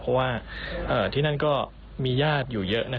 เพราะว่าที่นั่นก็มีญาติอยู่เยอะ